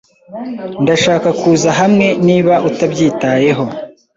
Ndashaka kuza hamwe niba utabyitayeho.